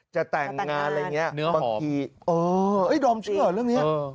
จะแต่งงานอะไรอย่างเงี้ยเนื้อหอมเออเอ้ยดอมเชื่อเหรอเรื่องเนี้ย